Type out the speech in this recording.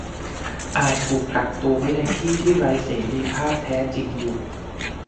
อาจถูกกักตัวไว้ในที่ที่ไร้เสรีภาพแท้จริงอยู่